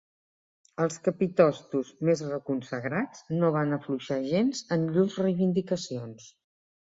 Els capitostos més reconsagrats no van afluixar gens en llurs reivindicacions.